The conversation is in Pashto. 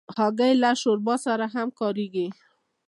هګۍ له شوربا سره هم کارېږي.